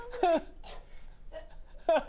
ハハハハ！